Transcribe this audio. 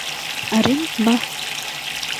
আরে, বাহ।